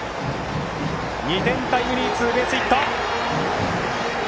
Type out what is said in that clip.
２点タイムリーツーベースヒット！